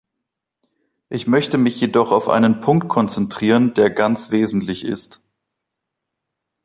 Ich möchte mich jedoch auf einen Punkt konzentrieren, der ganz wesentlich ist.